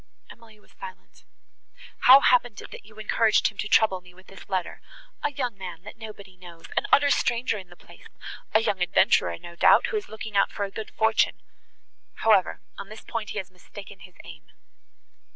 Emily was silent. "How happened it that you encouraged him to trouble me with this letter?—A young man that nobody knows;—an utter stranger in the place,—a young adventurer, no doubt, who is looking out for a good fortune. However, on that point he has mistaken his aim."